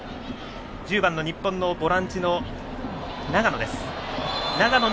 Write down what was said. １０番の日本のボランチ、長野。